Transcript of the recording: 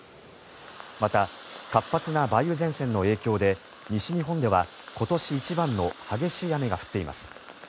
また、活発な梅雨前線の影響で西日本では今年一番の激しい雨が降っています。